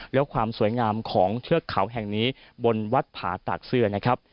และความสวยงามของเทือกเขาแห่งนี้บนวัดผาตากเสื้อนะครับ